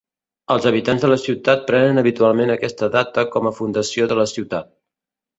Els habitants de la ciutat prenen habitualment aquesta data com a fundació de la ciutat.